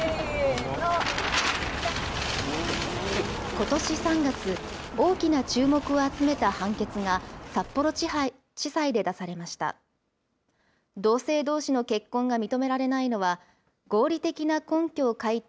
ことし３月、大きな注目を集めた判決が、札幌地裁で出されました。